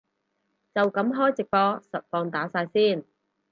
就噉開直播實況打晒先